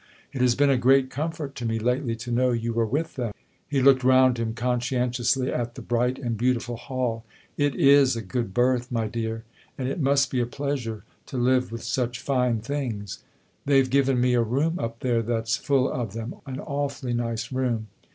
It has been a great comfort to me lately to know you were with them." He looked round him, conscientiously, at the bright and beautiful hall. " It is a good berth, my dear, and it must be a pleasure to live with such fine things. They've given me a room up there that's full of them an awfully nice room."